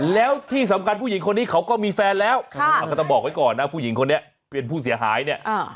แล้วที่สำคัญผู้หญิงคนนี้เขาก็มีแฟนแล้วก็ต้องบอกไว้ก่อนนะผู้หญิงคนนี้เป็นผู้เสียหายเนี่ย